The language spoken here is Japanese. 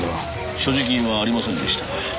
所持金はありませんでした。